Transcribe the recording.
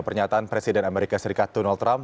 pernyataan presiden amerika serikat donald trump